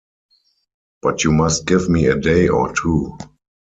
But you must give me a day or two.